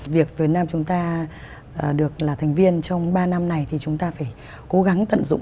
việc việt nam chúng ta được là thành viên trong ba năm này thì chúng ta phải cố gắng tận dụng